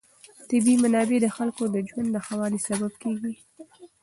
طبیعي منابع د خلکو د ژوند د ښه والي سبب کېږي.